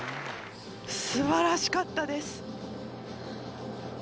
素晴らしかったです。